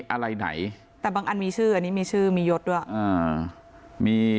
อะไรไหนแต่บางอันมีชื่ออันนี้มีชื่อมียศด้วยอ่ามี